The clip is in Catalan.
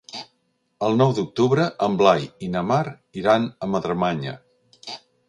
El nou d'octubre en Blai i na Mar iran a Madremanya.